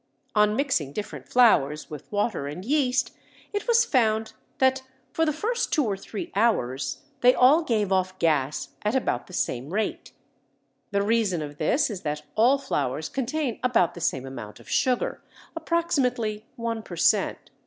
On mixing different flours with water and yeast it was found that for the first two or three hours they all gave off gas at about the same rate. The reason of this is that all flours contain about the same amount of sugar, approximately one per cent.